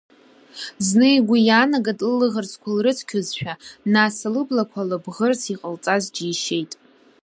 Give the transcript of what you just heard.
Зны игәы иаанагеит лылаӷырӡқәа лрыцқьозшәа, нас лыблақәа лыбӷырц иҟалҵаз џьишьеит.